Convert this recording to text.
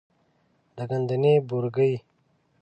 د ګندنې بورګی،